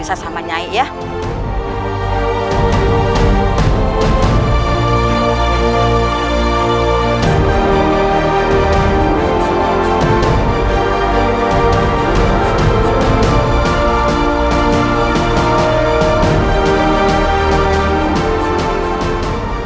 tuhan yang terbaik